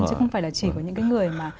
chứ không phải chỉ có những người mà